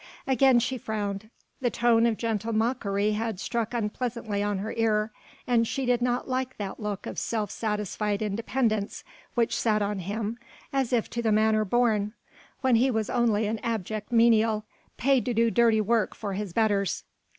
Again she frowned: the tone of gentle mockery had struck unpleasantly on her ear and she did not like that look of self satisfied independence which sat on him as if to the manner born, when he was only an abject menial, paid to do dirty work for his betters.